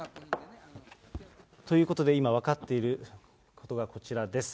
ということで、今分かっていることがこちらです。